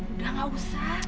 udah gak usah